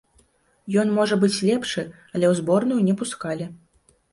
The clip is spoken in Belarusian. Ён можа быць лепшы, але ў зборную не пускалі.